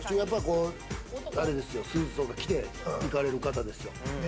スーツとか着て行かれる方ですよ。